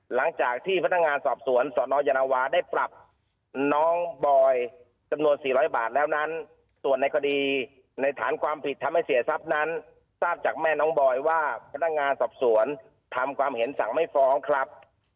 หลังจากที่พนักงานสอบสวนสนยานวาได้ปรับน้องบอยจำนวน๔๐๐บาทแล้วนั้นส่วนในคดีในฐานความผิดทำให้เสียทรัพย์นั้นทราบจากแม่น้องบอยว่าพนักงานสอบสวนทำความเห็นสั่งไม่ฟ้องครับ